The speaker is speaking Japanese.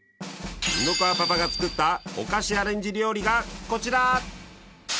布川パパが作ったお菓子アレンジ料理がこちら！